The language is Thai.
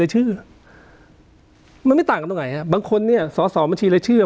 ชื่อมันไม่ต่างกันตรงไหนฮะบางคนเนี่ยสอสอบัญชีรายชื่ออ่ะ